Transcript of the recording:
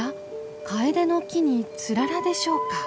カエデの木にツララでしょうか？